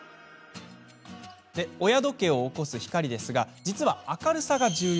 親時計を起こす光ですが実は、明るさが重要。